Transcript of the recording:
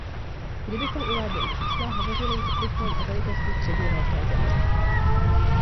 Kdybychom uváděli čísla, hovořili bychom o velikosti středně velké země.